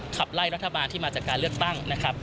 ขับไล่รัฐบาลที่มาจากการเลือกตั้งนะครับ